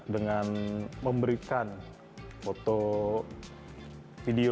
dengan memberikan foto video